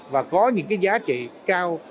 và có những cái giá trị cao